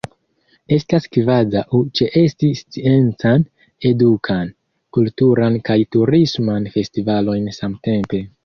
Estas kvazaŭ ĉeesti sciencan, edukan, kulturan kaj turisman festivalojn samtempe.